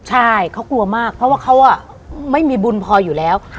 ใช่เขากลัวมากเพราะว่าเขาไม่มีบุญพออยู่แล้ว